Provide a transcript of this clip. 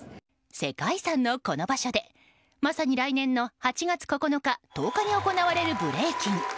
世界遺産のこの場所でまさに来年の８月９日、１０日に行われるブレイキン。